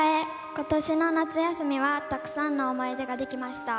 ことしの夏休みは、たくさんの思い出ができました。